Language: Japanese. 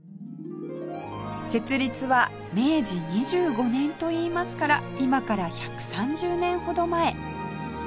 設立は明治２５年といいますから今から１３０年ほど前